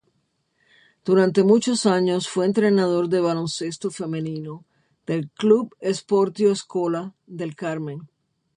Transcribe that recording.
Durando muchos años fue entrenador de baloncesto femenino del Club Esportiu Escola del Carme.